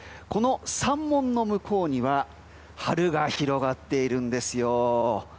この山門の向こうには春が広がっているんですよ。